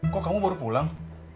kok kamu baru pulang